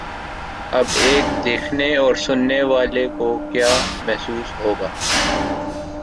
اب ایک دیکھنے اور سننے والے کو کیا محسوس ہو گا؟